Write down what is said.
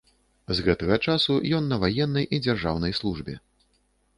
З гэтага часу ён на ваеннай і дзяржаўнай службе.